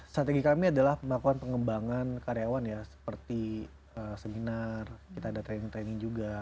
strategi kami adalah pembangunan karyawan seperti seminar kita ada training training juga